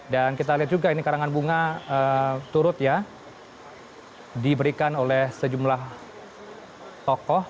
kita lihat juga ini karangan bunga turut ya diberikan oleh sejumlah tokoh